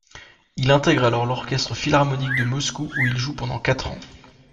Il intègre alors l'orchestre philharmonique de Moscou où il joue pendant quatre ans.